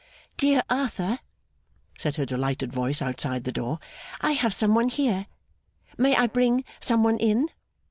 'Dear Arthur,' said her delighted voice outside the door, 'I have some one here. May I bring some one in?